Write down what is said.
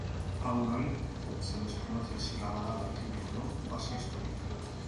Aún hoy, se desconoce si la balada tiene o no base histórica.